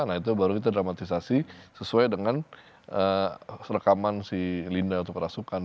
nah itu baru kita dramatisasi sesuai dengan rekaman si linda atau perasukan